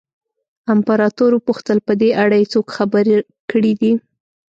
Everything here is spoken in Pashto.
امپراتور وپوښتل په دې اړه یې څوک خبر کړي دي.